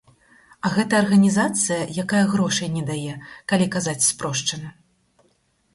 А гэта арганізацыя, якая грошай не дае, калі казаць спрошчана.